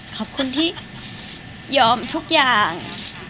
ขอบคุณที่ยอมทุกอย่าง